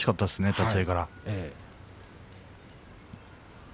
立ち合いから。